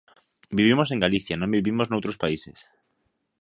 Vivimos en Galicia, non vivimos noutros países.